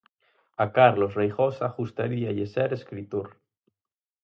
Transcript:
A Carlos Reigosa gustaríalle ser escritor.